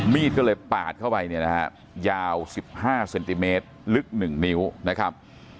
มีดก็เลยปาดเข้าไปเนี่ยนะครับยาวสิบห้าเซนติเมตรลึกหนึ่งนิ้วนะครับ